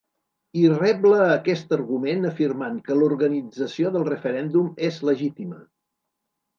I rebla aquest argument afirmant que l’organització del referèndum és ‘legítima’.